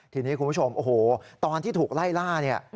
ทีนี้คุณผู้ชมโอ้โหตอนที่ถูกไล่ล่าเนี่ย